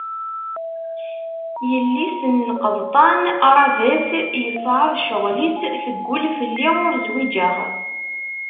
Yelli-s n lqebṭan Ravès, yeṣɛeb ccɣel-is, teggul fell-i ur zwiǧeɣ.